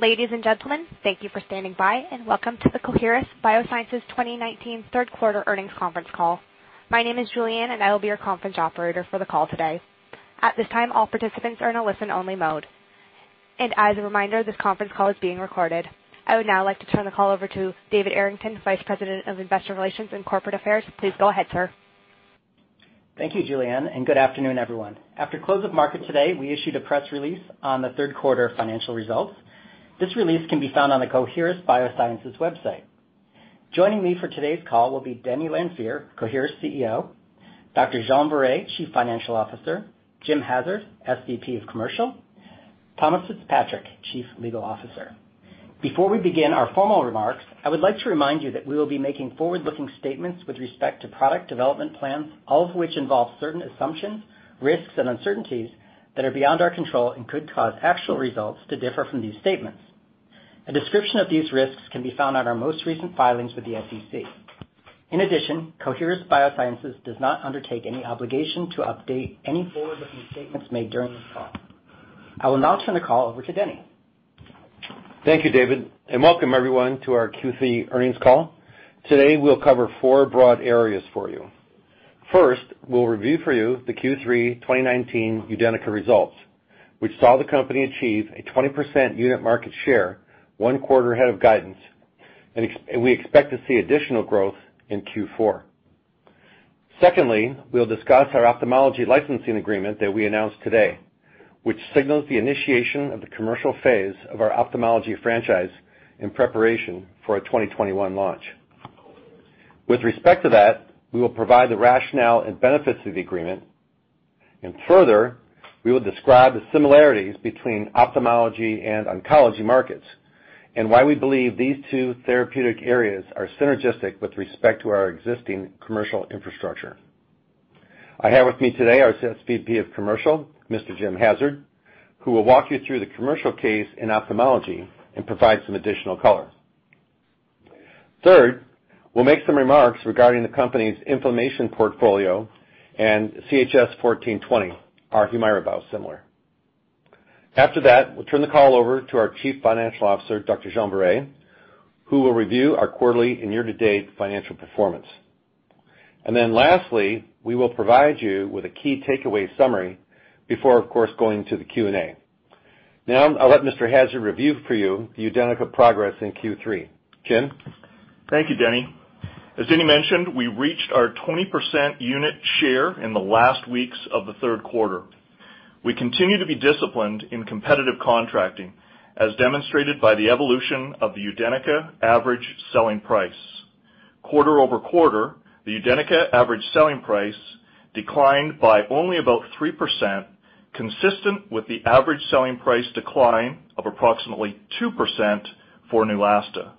Ladies and gentlemen, thank you for standing by, and welcome to the Coherus BioSciences 2019 third quarter earnings conference call. My name is Julianne, and I will be your conference operator for the call today. At this time, all participants are in a listen-only mode. As a reminder, this conference call is being recorded. I would now like to turn the call over to David Arrington, Vice President of Investor Relations and Corporate Affairs. Please go ahead, sir. Thank you, Julianne. Good afternoon, everyone. After close of market today, we issued a press release on the third quarter financial results. This release can be found on the coherus.com. Joining me for today's call will be Denny Lanfear, Coherus CEO; Dr. Jean Viret, Chief Financial Officer; Jim Hassard, SVP of Commercial; Thomas Fitzpatrick, Chief Legal Officer. Before we begin our formal remarks, I would like to remind you that we will be making forward-looking statements with respect to product development plans, all of which involve certain assumptions, risks, and uncertainties that are beyond our control and could cause actual results to differ from these statements. A description of these risks can be found on our most recent filings with the SEC. Coherus BioSciences does not undertake any obligation to update any forward-looking statements made during this call. I will now turn the call over to Denny. Thank you, David, and welcome everyone to our Q3 earnings call. Today, we'll cover four broad areas for you. First, we'll review for you the Q3 2019 UDENYCA results, which saw the company achieve a 20% unit market share one quarter ahead of guidance, and we expect to see additional growth in Q4. Secondly, we'll discuss our ophthalmology licensing agreement that we announced today, which signals the initiation of the commercial phase of our ophthalmology franchise in preparation for a 2021 launch. With respect to that, we will provide the rationale and benefits of the agreement. Further, we will describe the similarities between ophthalmology and oncology markets and why we believe these two therapeutic areas are synergistic with respect to our existing commercial infrastructure. I have with me today our SVP of Commercial, Mr. Jim Hassard, who will walk you through the commercial case in ophthalmology and provide some additional color. Third, we'll make some remarks regarding the company's inflammation portfolio and CHS-1420, our HUMIRA biosimilar. After that, we'll turn the call over to our Chief Financial Officer, Dr. Jean-Frédéric Viret, who will review our quarterly and year-to-date financial performance. Lastly, we will provide you with a key takeaway summary before, of course, going to the Q&A. Now, I'll let Mr. Hassard review for you the UDENYCA progress in Q3. Jim? Thank you, Denny. As Denny mentioned, we reached our 20% unit share in the last weeks of the third quarter. We continue to be disciplined in competitive contracting, as demonstrated by the evolution of the UDENYCA average selling price. Quarter-over-quarter, the UDENYCA average selling price declined by only about 3%, consistent with the average selling price decline of approximately 2% for Neulasta.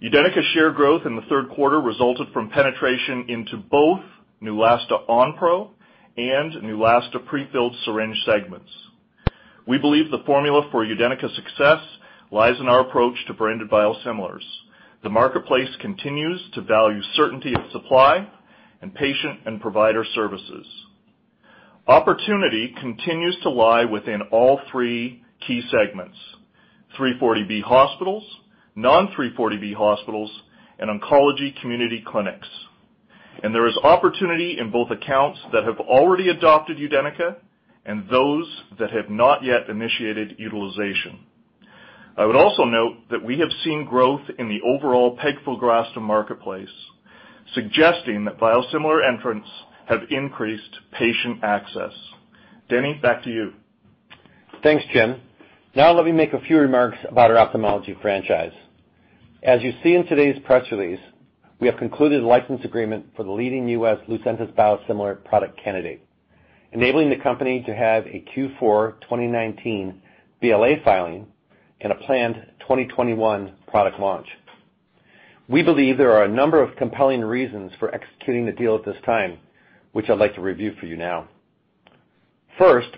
UDENYCA share growth in the third quarter resulted from penetration into both Neulasta Onpro and Neulasta prefilled syringe segments. We believe the formula for UDENYCA's success lies in our approach to branded biosimilars. The marketplace continues to value certainty of supply and patient and provider services. Opportunity continues to lie within all three key segments: 340B hospitals, non-340B hospitals, and oncology community clinics. There is opportunity in both accounts that have already adopted UDENYCA and those that have not yet initiated utilization. I would also note that we have seen growth in the overall pegfilgrastim marketplace, suggesting that biosimilar entrants have increased patient access. Denny, back to you. Thanks, Jim. Let me make a few remarks about our ophthalmology franchise. As you see in today's press release, we have concluded a license agreement for the leading U.S. Lucentis biosimilar product candidate, enabling the company to have a Q4 2019 BLA filing and a planned 2021 product launch. We believe there are a number of compelling reasons for executing the deal at this time, which I'd like to review for you now. First,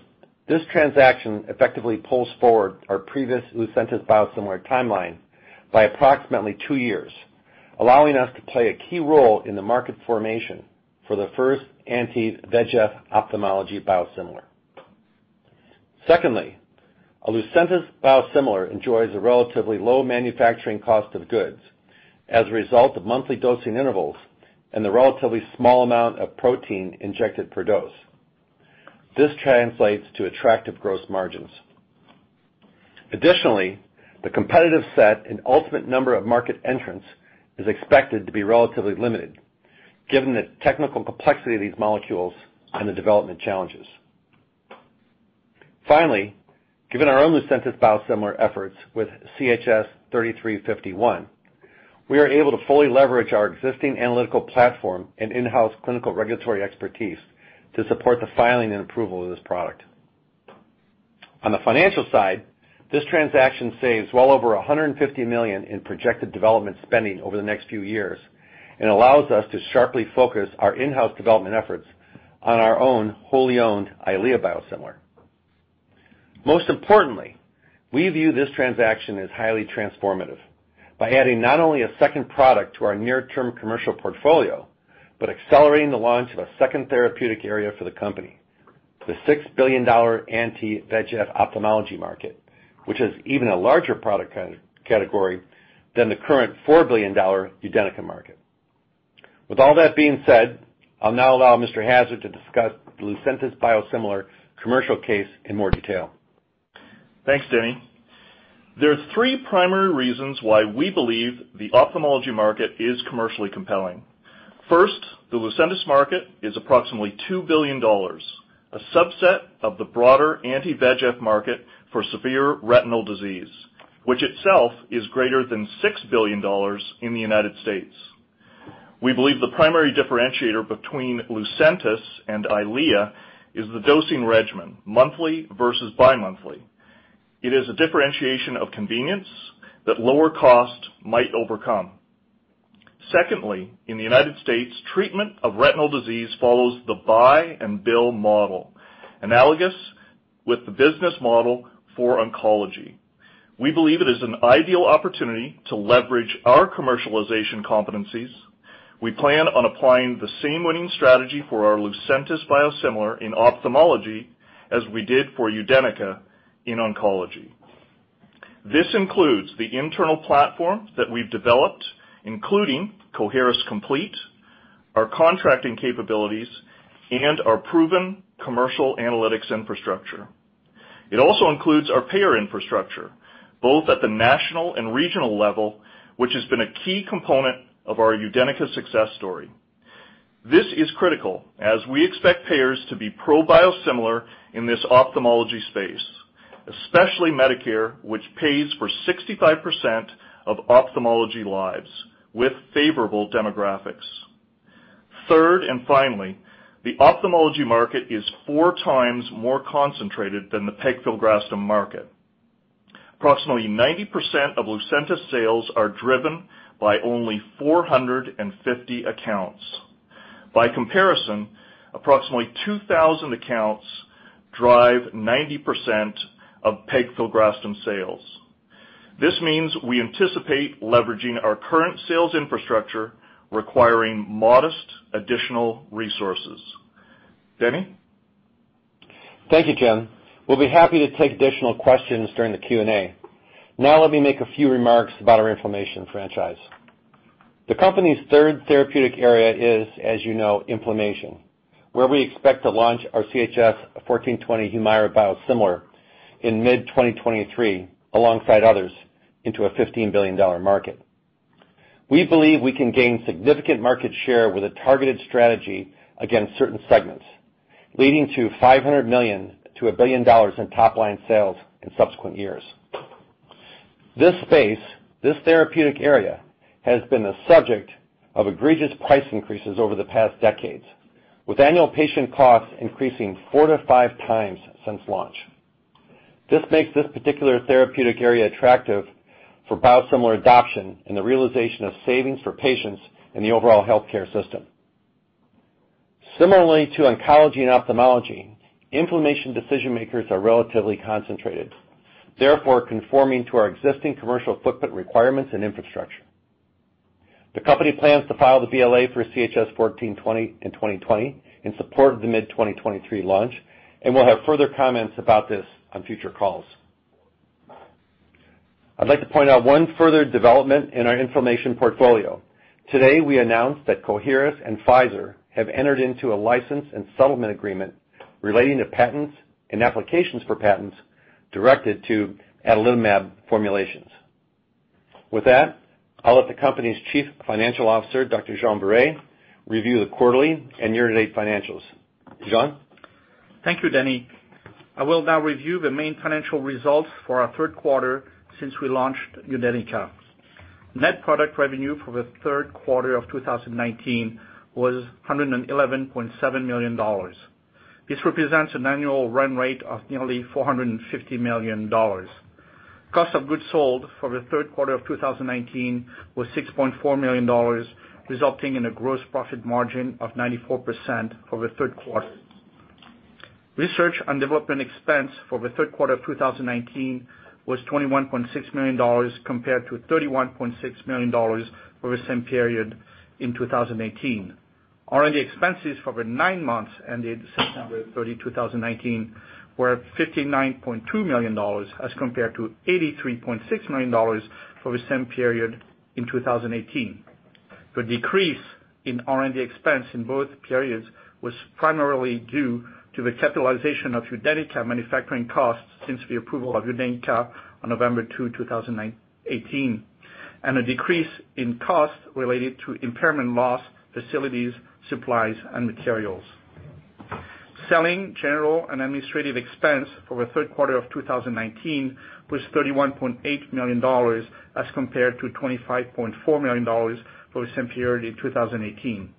this transaction effectively pulls forward our previous Lucentis biosimilar timeline by approximately two years, allowing us to play a key role in the market formation for the first anti-VEGF ophthalmology biosimilar. Secondly, a Lucentis biosimilar enjoys a relatively low manufacturing cost of goods as a result of monthly dosing intervals and the relatively small amount of protein injected per dose. This translates to attractive gross margins. Additionally, the competitive set and ultimate number of market entrants is expected to be relatively limited, given the technical complexity of these molecules and the development challenges. Finally, given our own Lucentis biosimilar efforts with CHS-3351, we are able to fully leverage our existing analytical platform and in-house clinical regulatory expertise to support the filing and approval of this product. On the financial side, this transaction saves well over $150 million in projected development spending over the next few years and allows us to sharply focus our in-house development efforts on our own wholly owned EYLEA biosimilar. Most importantly, we view this transaction as highly transformative by adding not only a second product to our near-term commercial portfolio, but accelerating the launch of a second therapeutic area for the company. The $6 billion anti-VEGF ophthalmology market, which is even a larger product category than the current $4 billion UDENYCA market. With all that being said, I'll now allow Mr. Hassard to discuss Lucentis biosimilar commercial case in more detail. Thanks, Denny. There are three primary reasons why we believe the ophthalmology market is commercially compelling. First, the Lucentis market is approximately $2 billion, a subset of the broader anti-VEGF market for severe retinal disease, which itself is greater than $6 billion in the United States. We believe the primary differentiator between Lucentis and EYLEA is the dosing regimen, monthly versus bimonthly. It is a differentiation of convenience that lower cost might overcome. Secondly, in the United States, treatment of retinal disease follows the buy and bill model, analogous with the business model for oncology. We believe it is an ideal opportunity to leverage our commercialization competencies. We plan on applying the same winning strategy for our Lucentis biosimilar in ophthalmology as we did for UDENYCA in oncology. This includes the internal platform that we've developed, including Coherus COMPLETE, our contracting capabilities, and our proven commercial analytics infrastructure. It also includes our payer infrastructure, both at the national and regional level, which has been a key component of our UDENYCA success story. This is critical as we expect payers to be pro biosimilar in this ophthalmology space, especially Medicare, which pays for 65% of ophthalmology lives with favorable demographics. Third and finally, the ophthalmology market is four times more concentrated than the pegfilgrastim market. Approximately 90% of Lucentis sales are driven by only 450 accounts. By comparison, approximately 2,000 accounts drive 90% of pegfilgrastim sales. This means we anticipate leveraging our current sales infrastructure, requiring modest additional resources. Denny? Thank you, Jim. We'll be happy to take additional questions during the Q&A. Now let me make a few remarks about our inflammation franchise. The company's third therapeutic area is, as you know, inflammation, where we expect to launch our CHS-1420 HUMIRA biosimilar in mid 2023 alongside others into a $15 billion market. We believe we can gain significant market share with a targeted strategy against certain segments, leading to $500 million-$1 billion in top-line sales in subsequent years. This space, this therapeutic area, has been the subject of egregious price increases over the past decades, with annual patient costs increasing four to five times since launch. This makes this particular therapeutic area attractive for biosimilar adoption and the realization of savings for patients in the overall healthcare system. Similarly to oncology and ophthalmology, inflammation decision-makers are relatively concentrated, therefore conforming to our existing commercial footprint requirements and infrastructure. The company plans to file the BLA for CHS-1420 in 2020 in support of the mid 2023 launch. We'll have further comments about this on future calls. I'd like to point out one further development in our inflammation portfolio. Today, we announced that Coherus and Pfizer have entered into a license and settlement agreement relating to patents and applications for patents directed to adalimumab formulations. With that, I'll let the company's Chief Financial Officer, Dr. Jean-Frédéric Viret, review the quarterly and year-to-date financials. Jean? Thank you, Denny. I will now review the main financial results for our third quarter since we launched UDENYCA. Net product revenue for the third quarter of 2019 was $111.7 million. This represents an annual run rate of nearly $450 million. Cost of goods sold for the third quarter of 2019 was $6.4 million, resulting in a gross profit margin of 94% for the third quarter. Research and development expense for the third quarter of 2019 was $21.6 million, compared to $31.6 million for the same period in 2018. R&D expenses for the nine months ended September 30, 2019, were $59.2 million as compared to $83.6 million for the same period in 2018. The decrease in R&D expense in both periods was primarily due to the capitalization of UDENYCA manufacturing costs since the approval of UDENYCA on November 2, 2018, and a decrease in costs related to impairment loss, facilities, supplies, and materials. Selling, general, and administrative expense for the third quarter of 2019 was $31.8 million as compared to $25.4 million for the same period in 2018.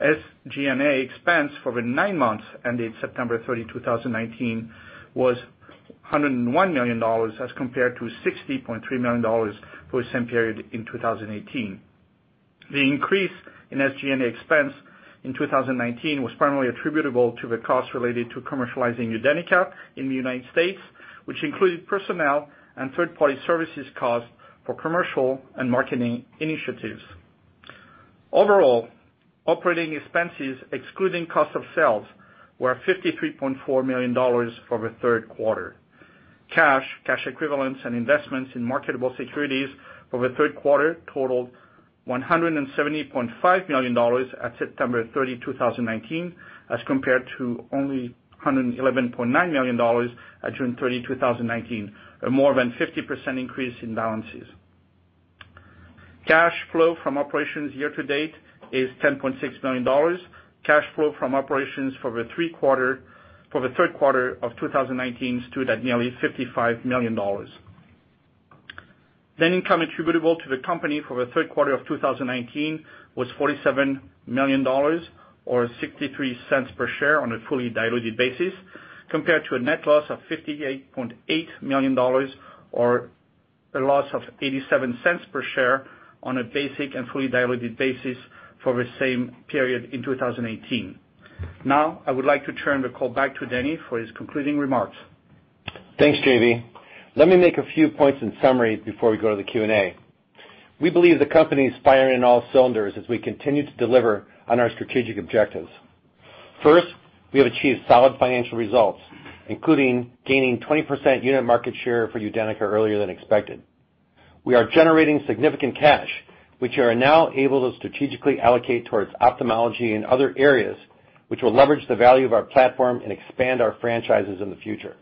SG&A expense for the nine months ended September 30, 2019, was $101 million as compared to $60.3 million for the same period in 2018. The increase in SG&A expense in 2019 was primarily attributable to the costs related to commercializing UDENYCA in the U.S., which included personnel and third-party services costs for commercial and marketing initiatives. Overall, operating expenses excluding cost of sales were $53.4 million for the third quarter. Cash, cash equivalents, and investments in marketable securities for the third quarter totaled $170.5 million at September 30, 2019, as compared to only $111.9 million at June 30, 2019. A more than 50% increase in balances. Cash flow from operations year to date is $10.6 million. Cash flow from operations for the third quarter of 2019 stood at nearly $55 million. Net income attributable to the company for the third quarter of 2019 was $47 million, or $0.63 per share on a fully diluted basis, compared to a net loss of $58.8 million, or a loss of $0.87 per share on a basic and fully diluted basis for the same period in 2018. I would like to turn the call back to Denny for his concluding remarks. Thanks, JV. Let me make a few points in summary before we go to the Q&A. We believe the company is firing on all cylinders as we continue to deliver on our strategic objectives. First, we have achieved solid financial results, including gaining 20% unit market share for UDENYCA earlier than expected. We are generating significant cash, which we are now able to strategically allocate towards ophthalmology and other areas, which will leverage the value of our platform and expand our franchises in the future.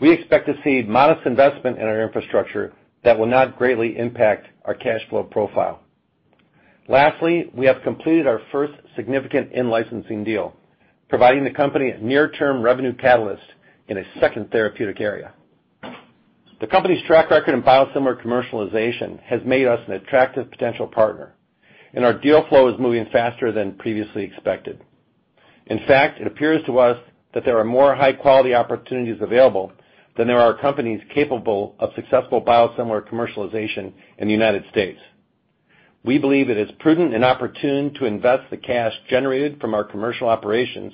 We expect to see modest investment in our infrastructure that will not greatly impact our cash flow profile. Lastly, we have completed our first significant in-licensing deal, providing the company a near-term revenue catalyst in a second therapeutic area. The company's track record in biosimilar commercialization has made us an attractive potential partner, and our deal flow is moving faster than previously expected. In fact, it appears to us that there are more high-quality opportunities available than there are companies capable of successful biosimilar commercialization in the United States. We believe it is prudent and opportune to invest the cash generated from our commercial operations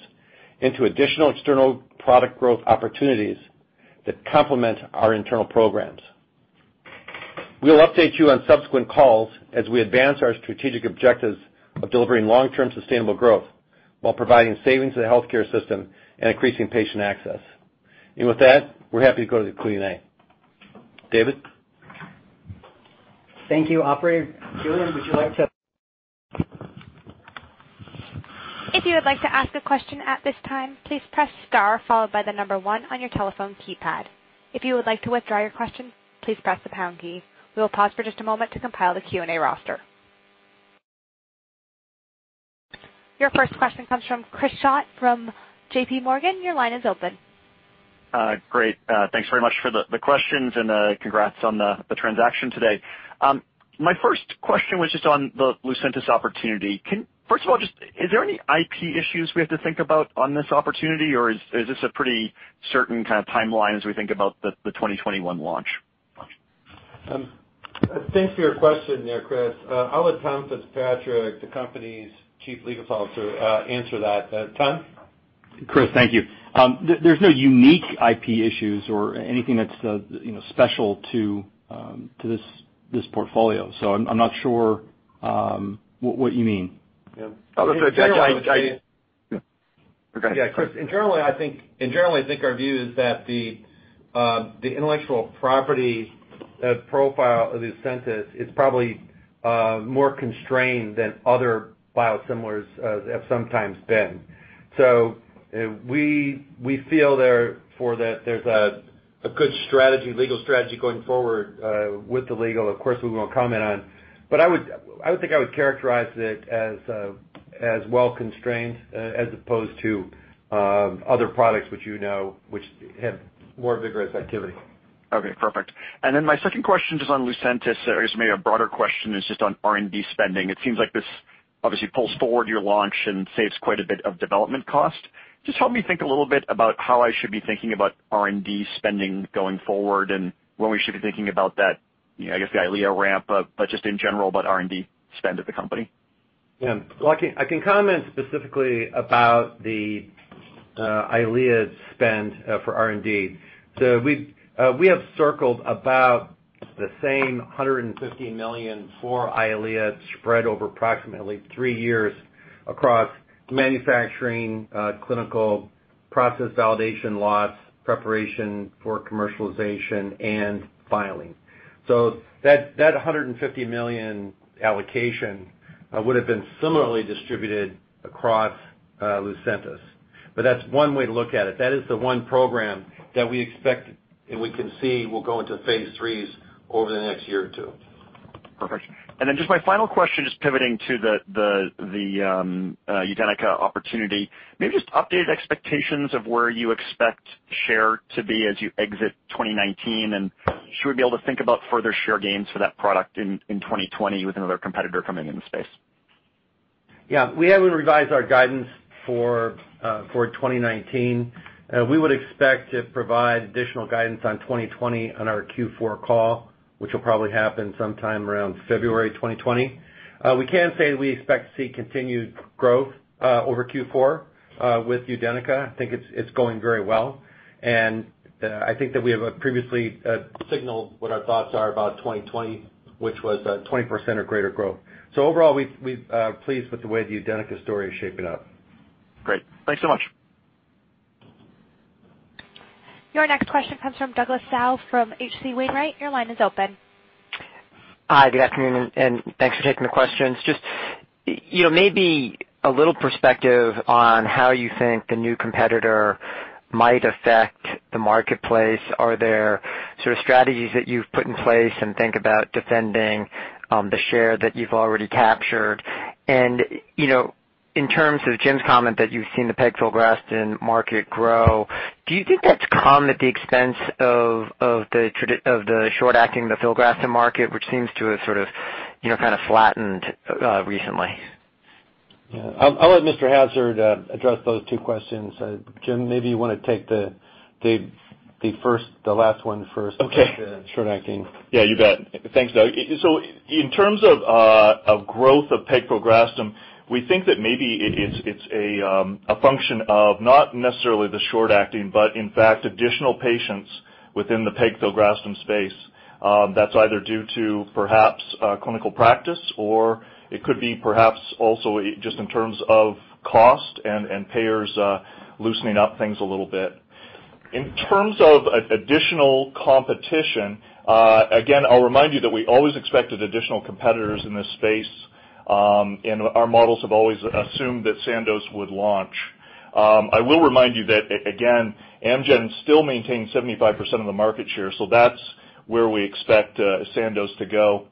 into additional external product growth opportunities that complement our internal programs. We will update you on subsequent calls as we advance our strategic objectives of delivering long-term sustainable growth while providing savings to the healthcare system and increasing patient access. With that, we're happy to go to the Q&A. David? Thank you. Operator, Julian. If you would like to ask a question at this time, please press star followed by the number 1 on your telephone keypad. If you would like to withdraw your question, please press the pound key. We will pause for just a moment to compile the Q&A roster. Your first question comes from Chris Schott from J.P. Morgan. Your line is open. Great. Thanks very much for the questions and congrats on the transaction today. My first question was just on the Lucentis opportunity. First of all, is there any IP issues we have to think about on this opportunity? Is this a pretty certain kind of timeline as we think about the 2021 launch? Thanks for your question there, Chris. I'll let Tom Fitzpatrick, the company's Chief Legal Officer, answer that. Tom? Chris, thank you. There's no unique IP issues or anything that's special to this portfolio. I'm not sure what you mean. Yeah. Okay. Yeah, Chris, in general, I think our view is that the intellectual property profile of Lucentis is probably more constrained than other biosimilars have sometimes been. We feel therefore that there's a good legal strategy going forward with the legal. Of course, we won't comment on. I think I would characterize it as well constrained, as opposed to other products which you know, which have more vigorous activity. Okay, perfect. My second question, just on Lucentis or just maybe a broader question is just on R&D spending. It seems like this obviously pulls forward your launch and saves quite a bit of development cost. Just help me think a little bit about how I should be thinking about R&D spending going forward and when we should be thinking about that, I guess the EYLEA ramp, but just in general about R&D spend of the company. I can comment specifically about the EYLEA spend for R&D. We have circled about the same $150 million for EYLEA spread over approximately three years across manufacturing, clinical process validation lots, preparation for commercialization, and filing. That $150 million allocation would've been similarly distributed across Lucentis. That's one way to look at it. That is the one program that we expect and we can see will go into phase IIIs over the next year or two. Perfect. Just my final question, just pivoting to the UDENYCA opportunity. Maybe just updated expectations of where you expect share to be as you exit 2019. Should we be able to think about further share gains for that product in 2020 with another competitor coming in the space? Yeah. We haven't revised our guidance for 2019. We would expect to provide additional guidance on 2020 on our Q4 call, which will probably happen sometime around February 2020. We can say we expect to see continued growth over Q4 with UDENYCA. I think it's going very well. I think that we have previously signaled what our thoughts are about 2020, which was a 20% or greater growth. Overall, we're pleased with the way the UDENYCA story is shaping up. Great. Thanks so much. Your next question comes from Douglas Tsao from H.C. Wainwright. Your line is open. Hi, good afternoon, and thanks for taking the questions. Just maybe a little perspective on how you think the new competitor might affect the marketplace. Are there strategies that you've put in place and think about defending the share that you've already captured? In terms of Jim's comment that you've seen the pegfilgrastim market grow, do you think that's come at the expense of the short-acting the filgrastim market, which seems to have sort of flattened recently? Yeah. I'll let Mr. Hassard address those two questions. Jim, maybe you want to take the last one first. Okay. The short-acting. Yeah, you bet. Thanks, Doug. In terms of growth of pegfilgrastim, we think that maybe it's a function of not necessarily the short-acting, but in fact additional patients within the pegfilgrastim space. That's either due to perhaps clinical practice or it could be perhaps also just in terms of cost and payers loosening up things a little bit. In terms of additional competition, again, I'll remind you that we always expected additional competitors in this space, and our models have always assumed that Sandoz would launch. I will remind you that, again, Amgen still maintains 75% of the market share, so that's where we expect Sandoz to go.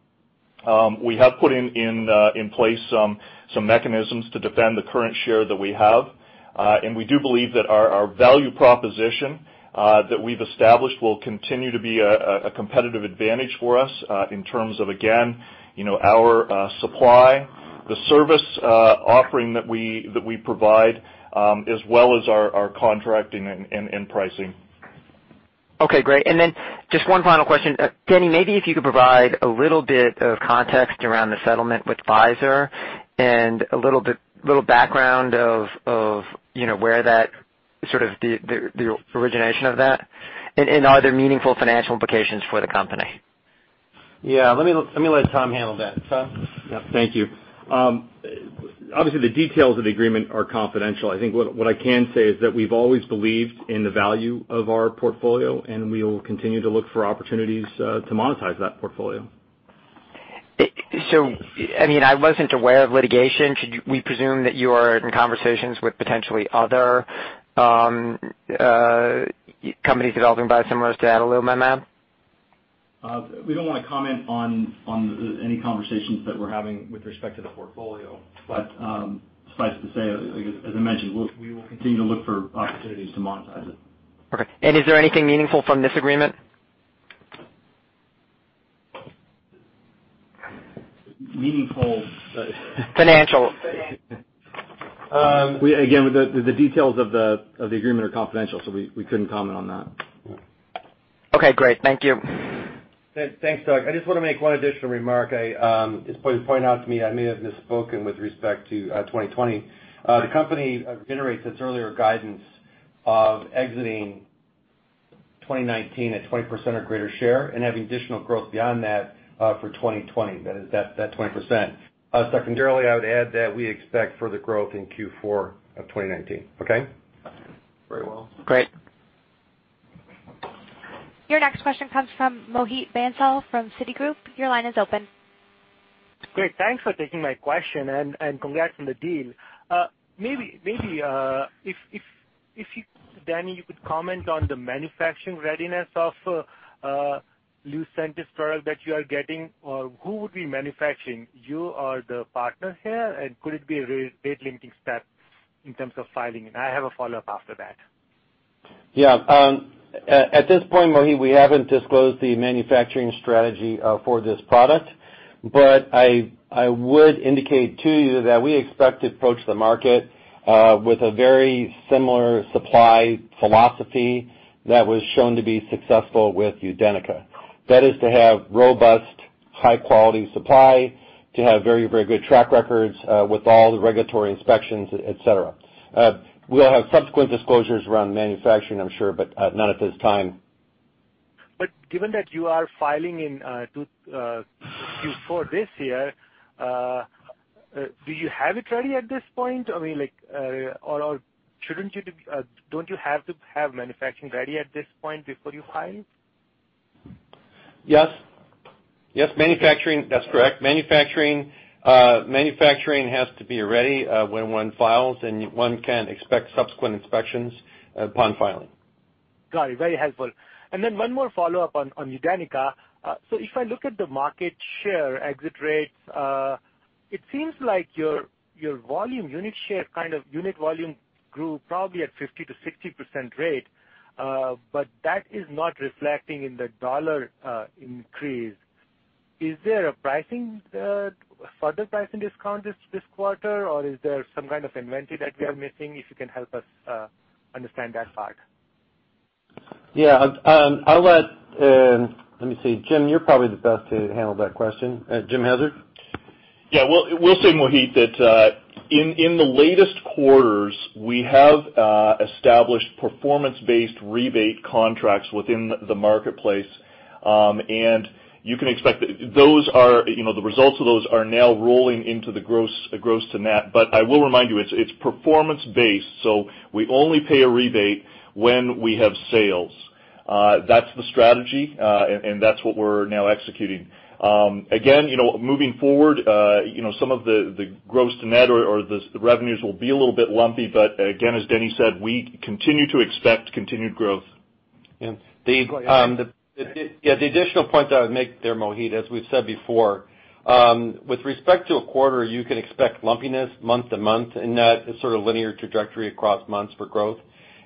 We have put in place some mechanisms to defend the current share that we have. We do believe that our value proposition that we've established will continue to be a competitive advantage for us, in terms of, again, our supply, the service offering that we provide, as well as our contracting and pricing. Okay, great. Just one final question. Denny, maybe if you could provide a little bit of context around the settlement with Pfizer and a little background of the origination of that, and are there meaningful financial implications for the company? Yeah. Let me let Tom handle that. Tom? Yeah. Thank you. Obviously, the details of the agreement are confidential. I think what I can say is that we've always believed in the value of our portfolio, and we will continue to look for opportunities to monetize that portfolio. I wasn't aware of litigation. Should we presume that you are in conversations with potentially other companies developing biosimilars to adalimumab? We don't want to comment on any conversations that we're having with respect to the portfolio. Suffice it to say, as I mentioned, we will continue to look for opportunities to monetize it. Okay. Is there anything meaningful from this agreement? Meaningful? Financial. The details of the agreement are confidential, we couldn't comment on that. Okay, great. Thank you. Thanks, Doug. I just want to make one additional remark. It was pointed out to me, I may have misspoken with respect to 2020. The company reiterates its earlier guidance of exiting 2019 at 20% or greater share and having additional growth beyond that for 2020, that is, that 20%. Secondarily, I would add that we expect further growth in Q4 of 2019. Okay? Very well. Great. Your next question comes from Mohit Bansal from Citigroup. Your line is open. Great. Thanks for taking my question. Congrats on the deal. Maybe if, Denny, you could comment on the manufacturing readiness of Lucentis product that you are getting, or who would be manufacturing, you or the partner here? Could it be a rate-limiting step in terms of filing? I have a follow-up after that. Yeah. At this point, Mohit, we haven't disclosed the manufacturing strategy for this product. I would indicate to you that we expect to approach the market with a very similar supply philosophy that was shown to be successful with UDENYCA. That is to have robust, high-quality supply, to have very good track records with all the regulatory inspections, et cetera. We'll have subsequent disclosures around manufacturing, I'm sure, but not at this time. Given that you are filing in Q4 this year, do you have it ready at this point? Don't you have to have manufacturing ready at this point before you file? Yes. That's correct. Manufacturing has to be ready when one files, and one can expect subsequent inspections upon filing. Got it. Very helpful. One more follow-up on UDENYCA. If I look at the market share exit rates, it seems like your volume unit share, kind of unit volume grew probably at 50%-60% rate. That is not reflecting in the dollar increase. Is there a further pricing discount this quarter, or is there some kind of inventory that we are missing? If you can help us understand that part. Yeah. Let me see. Jim, you're probably the best to handle that question. Jim Hassard? Yeah. We'll say, Mohit, that in the latest quarters, we have established performance-based rebate contracts within the marketplace. You can expect that the results of those are now rolling into the gross to net. I will remind you, it's performance-based, so we only pay a rebate when we have sales. That's the strategy, and that's what we're now executing. Again, moving forward, some of the gross to net or the revenues will be a little bit lumpy, but again, as Denny said, we continue to expect continued growth. Yeah. The additional point that I would make there, Mohit, as we've said before, with respect to a quarter, you can expect lumpiness month to month in that sort of linear trajectory across months for growth.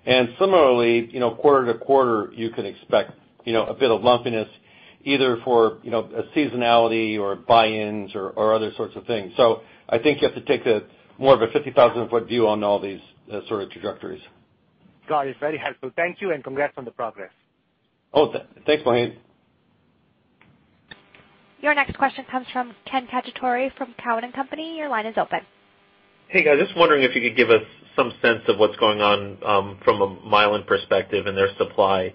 Similarly, quarter to quarter, you can expect a bit of lumpiness either for a seasonality or buy-ins or other sorts of things. I think you have to take more of a 50,000-foot view on all these sort of trajectories. Got it. Very helpful. Thank you. Congrats on the progress. Oh, thanks, Mohit. Your next question comes from Ken Cacciatore from Cowen and Company. Your line is open. Hey, guys. Just wondering if you could give us some sense of what's going on from a Mylan perspective and their supply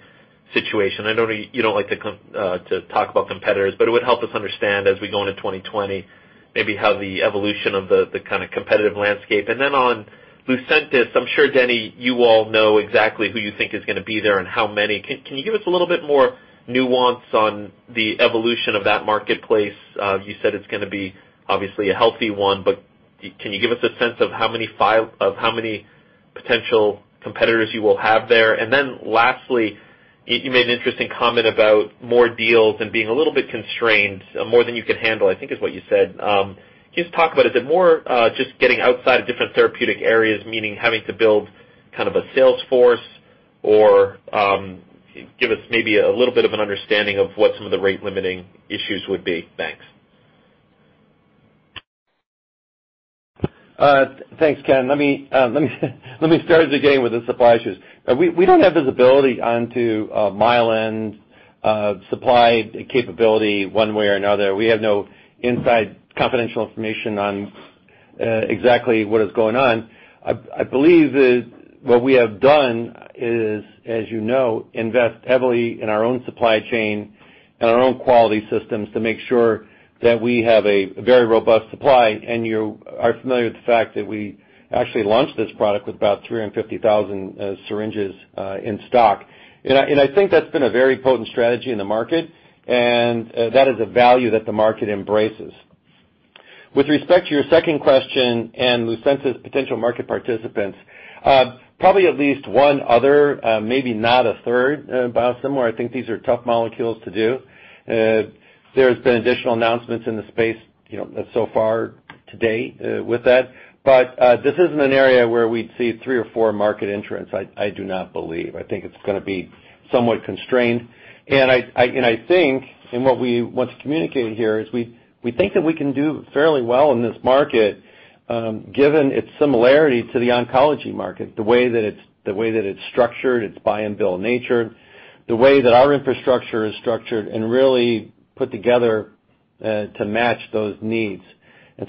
situation. I know you don't like to talk about competitors, but it would help us understand as we go into 2020, maybe how the evolution of the kind of competitive landscape. On Lucentis, I'm sure, Denny, you all know exactly who you think is going to be there and how many. Can you give us a little bit more nuance on the evolution of that marketplace? You said it's going to be obviously a healthy one, but can you give us a sense of how many potential competitors you will have there? Lastly, you made an interesting comment about more deals and being a little bit constrained, more than you could handle, I think is what you said. Can you just talk about, is it more just getting outside of different therapeutic areas, meaning having to build kind of a sales force, or give us maybe a little bit of an understanding of what some of the rate-limiting issues would be? Thanks. Thanks, Ken. Let me start again with the supply issues. We don't have visibility onto Mylan's supply capability one way or another. We have no inside confidential information on exactly what is going on. I believe that what we have done is, as you know, invest heavily in our own supply chain and our own quality systems to make sure that we have a very robust supply. You are familiar with the fact that we actually launched this product with about 350,000 syringes in stock. I think that's been a very potent strategy in the market, and that is a value that the market embraces. With respect to your second question and Lucentis potential market participants, probably at least one other, maybe not a third biosimilar. I think these are tough molecules to do. There's been additional announcements in the space so far to date with that. This isn't an area where we'd see three or four market entrants, I do not believe. I think it's going to be somewhat constrained. I think, and what we want to communicate here is we think that we can do fairly well in this market, given its similarity to the oncology market, the way that it's structured, its buy and bill nature, the way that our infrastructure is structured and really put together to match those needs.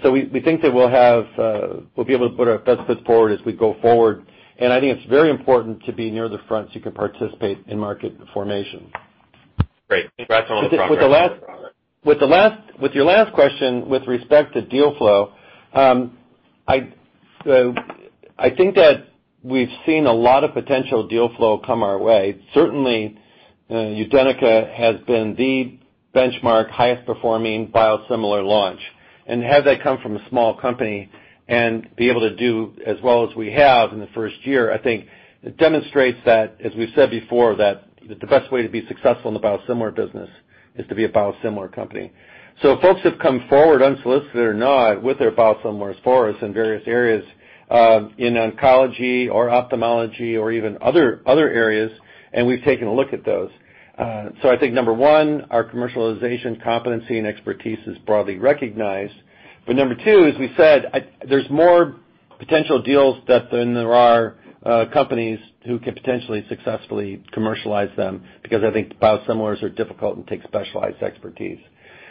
We think that we'll be able to put our best foot forward as we go forward. I think it's very important to be near the front so you can participate in market formation. Great. Congrats on all the progress. With your last question with respect to deal flow, I think that we've seen a lot of potential deal flow come our way. Certainly, UDENYCA has been the benchmark highest performing biosimilar launch. To have that come from a small company and be able to do as well as we have in the first year, I think it demonstrates that, as we've said before, that the best way to be successful in the biosimilar business is to be a biosimilar company. Folks have come forward unsolicited or not with their biosimilars for us in various areas, in oncology or ophthalmology or even other areas, and we've taken a look at those. I think number one, our commercialization competency and expertise is broadly recognized. Number 2, as we said, there's more potential deals than there are companies who could potentially successfully commercialize them, because I think biosimilars are difficult and take specialized expertise.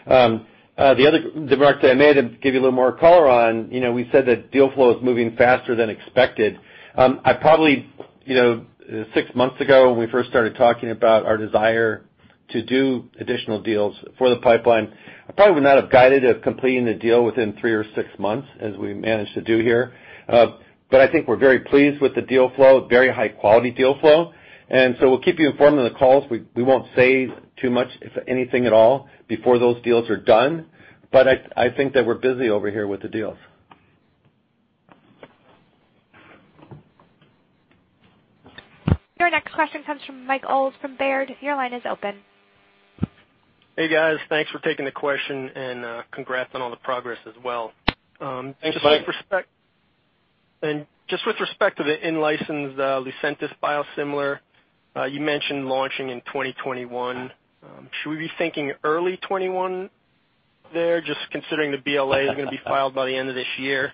The other remark that I made, give you a little more color on, we said that deal flow is moving faster than expected. Probably 6 months ago, when we first started talking about our desire to do additional deals for the pipeline, I probably would not have guided us completing the deal within 3 or 6 months as we managed to do here. I think we're very pleased with the deal flow, very high-quality deal flow. We'll keep you informed on the calls. We won't say too much, if anything at all, before those deals are done. I think that we're busy over here with the deals. Your next question comes from Mike Ulz from Baird. Your line is open. Hey, guys. Thanks for taking the question and congrats on all the progress as well. Thanks, Mike. Just with respect to the in-licensed Lucentis biosimilar, you mentioned launching in 2021. Should we be thinking early 2021 there, just considering the BLA is going to be filed by the end of this year?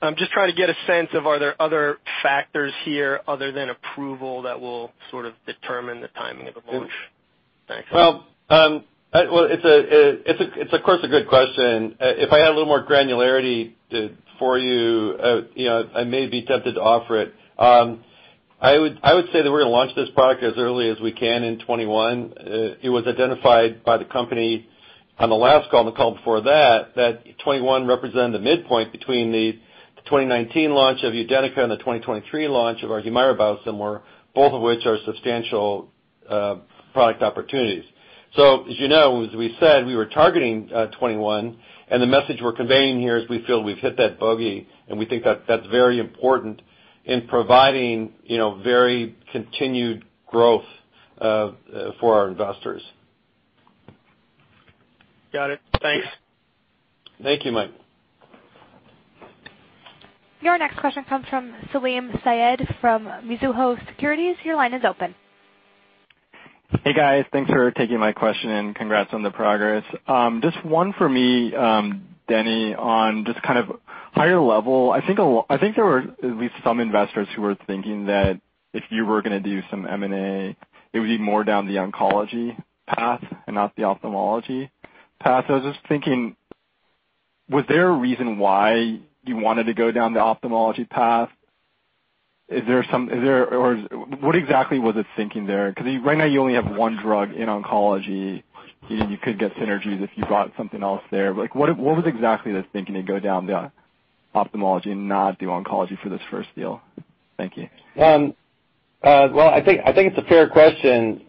I'm just trying to get a sense of, are there other factors here other than approval that will sort of determine the timing of the launch? Thanks. Well, it's of course a good question. If I had a little more granularity for you, I may be tempted to offer it. I would say that we're going to launch this product as early as we can in 2021. It was identified by the company, on the last call and the call before that 2021 represented the midpoint between the 2019 launch of UDENYCA and the 2023 launch of our Humira biosimilar, both of which are substantial product opportunities. As you know, as we said, we were targeting 2021, and the message we're conveying here is we feel we've hit that bogey, and we think that's very important in providing very continued growth for our investors. Got it. Thanks. Thank you, Mike. Your next question comes from Salim Syed from Mizuho Securities. Your line is open. Hey, guys. Thanks for taking my question, and congrats on the progress. Just one for me, Denny, on just kind of higher level, I think there were at least some investors who were thinking that if you were going to do some M&A, it would be more down the oncology path and not the ophthalmology path. I was just thinking, was there a reason why you wanted to go down the ophthalmology path? What exactly was the thinking there? Because right now you only have one drug in oncology, and you could get synergies if you brought something else there. What was exactly the thinking to go down the ophthalmology and not do oncology for this first deal? Thank you. Well, I think it's a fair question.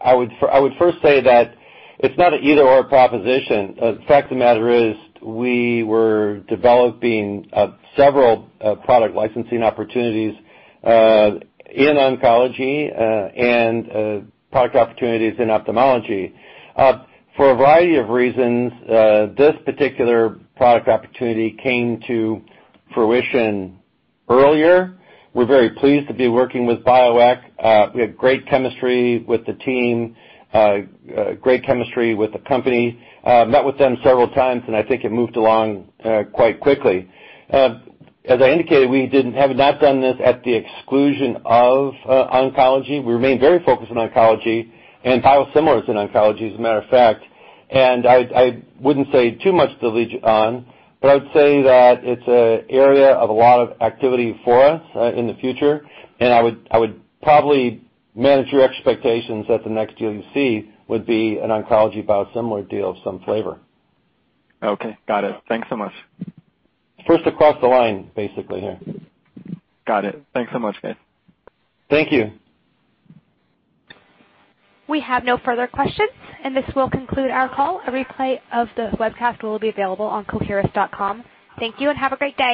I would first say that it's not an either/or proposition. The fact of the matter is, we were developing several product licensing opportunities in oncology and product opportunities in ophthalmology. For a variety of reasons, this particular product opportunity came to fruition earlier. We're very pleased to be working with Bioeq. We have great chemistry with the team, great chemistry with the company. Met with them several times. I think it moved along quite quickly. As I indicated, we have not done this at the exclusion of oncology. We remain very focused on oncology and biosimilars in oncology, as a matter of fact. I wouldn't say too much to lean on], but I would say that it's an area of a lot of activity for us in the future, and I would probably manage your expectations that the next deal you see would be an oncology biosimilar deal of some flavor. Okay. Got it. Thanks so much. First across the line, basically here. Got it. Thanks so much, guys. Thank you. We have no further questions. This will conclude our call. A replay of the webcast will be available on coherus.com. Thank you. Have a great day.